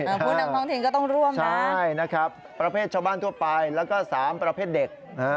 ผู้นำท้องถิ่นก็ต้องร่วมนะใช่นะครับประเภทชาวบ้านทั่วไปแล้วก็สามประเภทเด็ก